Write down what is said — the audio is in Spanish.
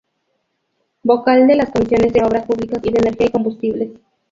Vocal de las Comisiones de Obras Públicas y de Energía y Combustibles.